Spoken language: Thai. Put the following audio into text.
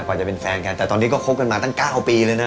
กว่าจะเป็นแฟนกันแต่ตอนนี้ก็คบกันมาตั้ง๙ปีเลยนะ